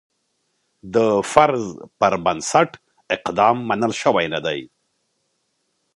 د فرض پر بنسټ اقدام منل شوی نه دی.